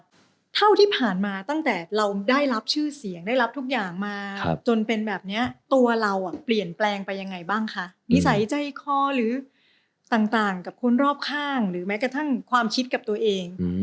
เท่าที่ผ่านมาตั้งแต่เราได้รับชื่อเสียงได้รับทุกอย่างมาจนเป็นแบบเนี้ยตัวเราอ่ะเปลี่ยนแปลงไปยังไงบ้างคะนิสัยใจคอหรือต่างกับคนรอบข้างหรือแม้กระทั่งความคิดกับตัวเอง